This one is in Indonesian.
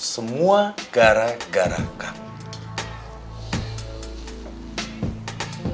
semua gara gara kamu